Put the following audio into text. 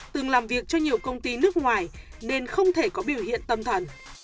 từng làm việc cho nhiều công ty nước ngoài nên không thể có biểu hiện tâm thần